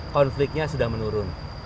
konfliknya sudah menurun